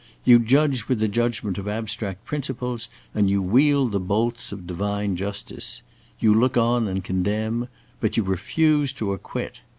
You judge with the judgment of abstract principles, and you wield the bolts of divine justice. You look on and condemn, but you refuse to acquit.